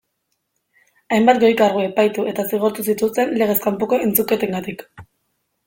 Hainbat goi kargu epaitu eta zigortu zituzten legez kanpoko entzuketengatik.